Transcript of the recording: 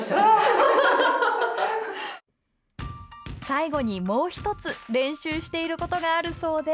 最後にもうひとつ練習していることがあるそうで。